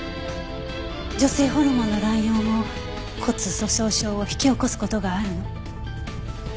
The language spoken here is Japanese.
女性ホルモンの乱用も骨粗鬆症を引き起こす事があるの。